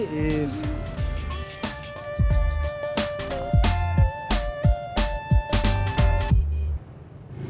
sampai jumpa lagi